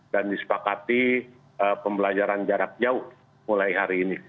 dan disepakati pembelajaran jarak jauh mulai hari ini